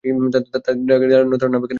তাদের ডাকে দলের নেতারাও নামবে কি না সন্দেহ।